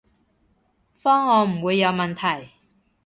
方案唔會有問題